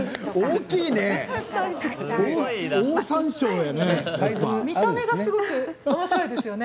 大きいね！